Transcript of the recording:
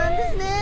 え！？